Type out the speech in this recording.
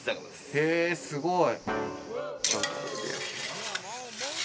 へぇすごい。